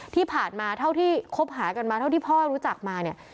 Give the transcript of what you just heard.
ที่ผ่านมาเท่าที่คบหากันมาเท่าที่พ่อรู้จักมาเนี่ย